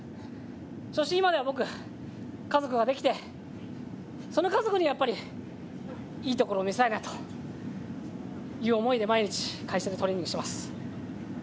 そして今では僕、家族ができてその家族にやっぱりいいところを見せたいなという思いで毎日、会社でトレーニングしています。